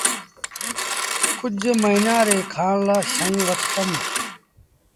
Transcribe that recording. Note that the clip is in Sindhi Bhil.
ڪجھ مهمآݩ ري کآڻ لآ شئيٚن وٺتم۔